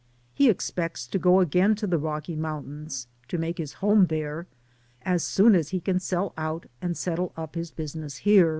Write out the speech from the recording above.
He expects to go again to the Rocky Mountains, and make his home there, as soon as he can sell out and settle up his business here.